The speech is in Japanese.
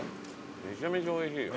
めちゃめちゃおいしいよ。